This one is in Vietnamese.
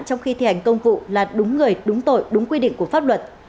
trong khi thi hành công vụ là đúng người đúng tội đúng quy định của pháp luật